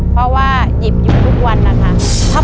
เพราะว่าหยิบอยู่ทุกวันนะคะ